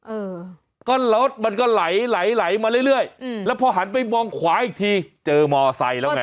เออก็รถมันก็ไหลไหลมาเรื่อยเรื่อยอืมแล้วพอหันไปมองขวาอีกทีเจอมอไซค์แล้วไง